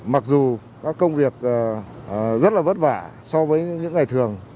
mặc dù các công việc rất là vất vả so với những ngày thường